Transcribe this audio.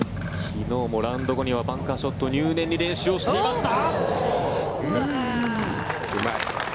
昨日もラウンド後にはバンカーショットを入念に練習していました。